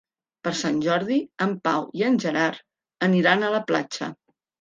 Per Sant Jordi en Pau i en Gerard aniran a la platja.